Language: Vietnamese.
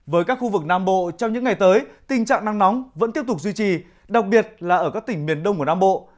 với các khu vực nam bộ trong những ngày tới tình trạng nắng nóng vẫn tiếp tục duy trì đặc biệt là ở các tỉnh miền đông của nam bộ